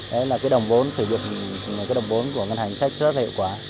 đó là đồng vốn sử dụng của ngân hàng chính sách